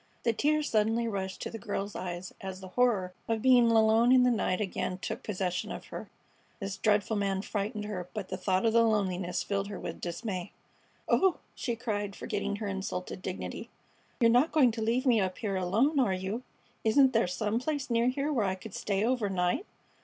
The tears suddenly rushed to the girl's eyes as the horror of being alone in the night again took possession of her. This dreadful man frightened her, but the thought of the loneliness filled her with dismay. "Oh!" she cried, forgetting her insulted dignity, "you're not going to leave me up here alone, are you? Isn't there some place near here where I could stay overnight?"